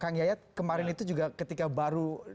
kang yayat kemarin itu juga ketika baru